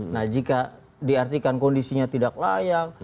nah jika diartikan kondisinya tidak layak